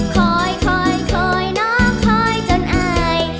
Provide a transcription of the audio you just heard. คอยคอยน้อคอยจนอาย